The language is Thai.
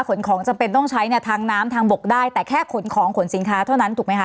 ขนของจำเป็นต้องใช้เนี่ยทางน้ำทางบกได้แต่แค่ขนของขนสินค้าเท่านั้นถูกไหมคะ